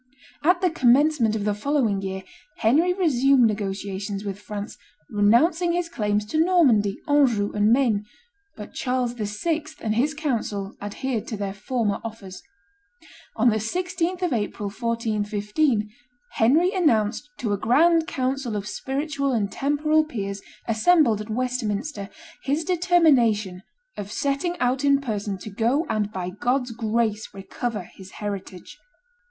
At the commencement of the following year, Henry resumed negotiations with France, renouncing his claims to Normandy, Anjou, and Maine; but Charles VI. and his council adhered to their former offers. On the 16th of April, 1415, Henry announced to a grand council of spiritual and temporal peers, assembled at Westminster, his determination "of setting out in person to go and, by God's grace, recover his heritage."